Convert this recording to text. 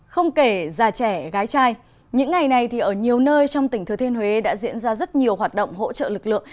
không kể già trẻ gái trai những ngày này thì ở nhiều nơi trong tỉnh thừa thiên huế đã diễn ra rất nhiều hoạt động hỗ trợ lực lượng